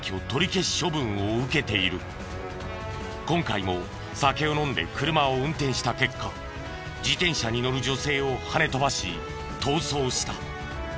今回も酒を飲んで車を運転した結果自転車に乗る女性をはね飛ばし逃走した。